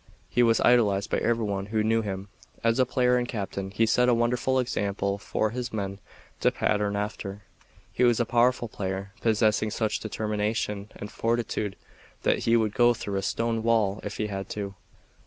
He was idolized by every one who knew him. As a player and captain he set a wonderful example for his men to pattern after. He was a powerful player; possessing such determination and fortitude that he would go through a stone wall if he had to.